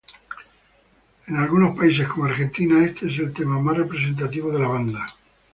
En algunos países, como Argentina, este es el tema más representativo de la banda.